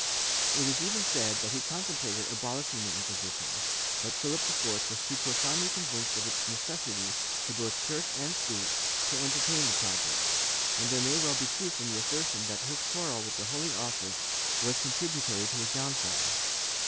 It is even said that he contemplated abolishing the Inquisition, but Philip IV was too profoundly convinced of its necessity to both Church and State to entertain the project, and there may well be truth in the assertion that his quarrel with the Holy Office was contributory to his downfall.